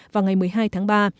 vào ngày một mươi hai tháng ba